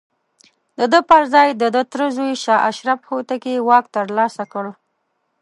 د ده پر ځاى د ده تره زوی شاه اشرف هوتکي واک ترلاسه کړ.